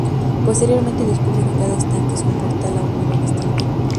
Posteriormente, descubre que cada estanque es un portal a un mundo distinto.